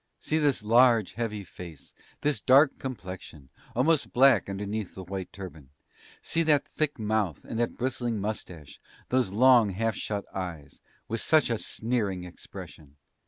See this large, heavy face, this dark complexion, almost black under the white turban; see that thick mouth, and that bristling moustache, those long half shut eyes, with such a sneering expression!